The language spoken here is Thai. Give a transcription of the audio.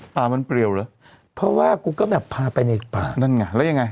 ป่ามันเปรียวเหรอเพราะว่ากูก็แบบพาไปในป่านั่นไงแล้วยังไง